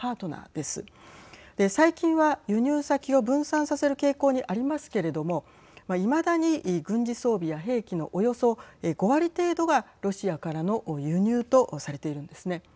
で、最近は輸入先を分散させる傾向にありますけれどもいまだに軍事装備や兵器のおよそ５割程度がロシアからの輸入とされているんですね。